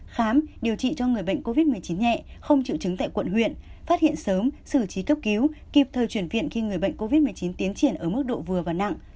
khám điều trị cho người bệnh covid một mươi chín nhẹ không chịu chứng tại quận huyện phát hiện sớm xử trí cấp cứu kịp thời chuyển viện khi người bệnh covid một mươi chín tiến triển ở mức độ vừa và nặng